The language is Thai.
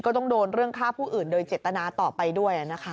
ก็ต้องโดนเรื่องฆ่าผู้อื่นโดยเจตนาต่อไปด้วยนะคะ